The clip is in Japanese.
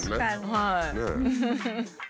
はい。